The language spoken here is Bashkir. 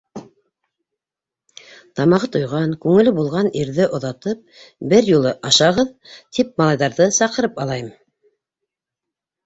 Тамағы туйған, күңеле булған ирҙе оҙатып, бер юлы ашағыҙ, тип малайҙарҙы саҡырып алайым.